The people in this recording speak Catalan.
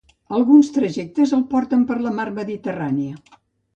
Alguns trajectes el porten per la mar Mediterrània.